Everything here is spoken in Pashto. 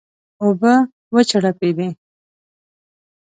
اوبه وچړپېدې.